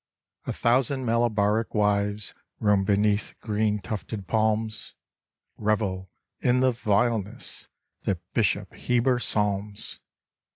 A thousand Malabaric wives Roam beneath green tufted palms; Revel in the vileness That Bishop Heber psalms.